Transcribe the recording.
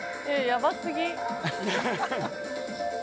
やばすぎ。